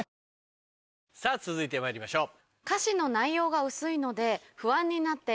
さぁ続いてまいりましょう。